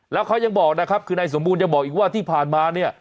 แล้วเขายังบอกนะครับคือนายสมบูรณยังบอกอีกว่าที่ผ่านมาเนี่ย